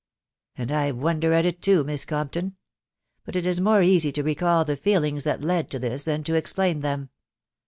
" And I wonder at it too, Miss Compton •••• but it is more easy to recall the feelings that led to this, than to explain them.